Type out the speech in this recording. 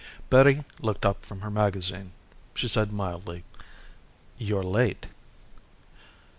_ Betty looked up from her magazine. She said mildly, "You're late."